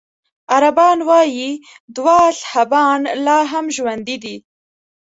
عربان وايي دوه اصحابان لا هم ژوندي دي.